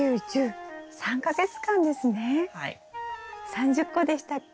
３０個でしたっけ？